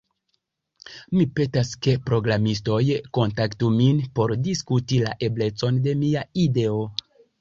Mi petas ke programistoj kontaktu min por diskuti la eblecon de mia ideo.